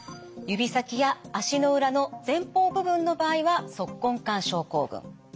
指先や足の裏の前方部分の場合は足根管症候群。